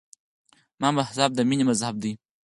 زما مذهب د مینې مذهب دی.